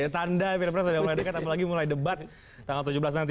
tanda pilpres sudah mulai dekat apalagi mulai debat tanggal tujuh belas nanti